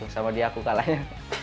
sama dia aku kalahnya